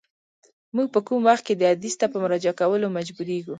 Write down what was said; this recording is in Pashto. موږ په کوم وخت کي حدیث ته په مراجعه کولو مجبوریږو؟